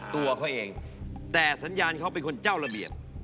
ตัวเขาเองแต่สัญญาณเขาเป็นคนเจ้าระเบียบ